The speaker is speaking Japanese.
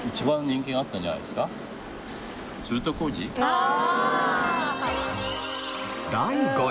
ああ！